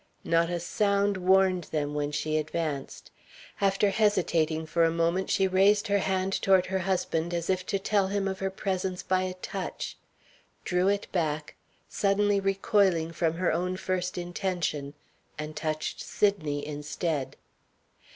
Not a sound warned them when she advanced. After hesitating for a moment, she raised her hand toward her husband, as if to tell him of her presence by a touch; drew it back, suddenly recoiling from her own first intention; and touched Sydney instead.